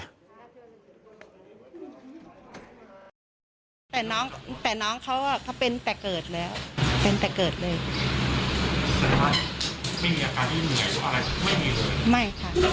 แต่น้องเขาเป็นแต่เกิดแล้วเป็นแต่เกิดเลย